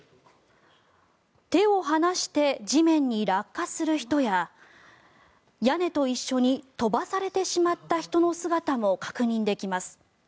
手を離して地面に落下する人や屋根と一緒に飛ばされてしまった人の姿も確認できます。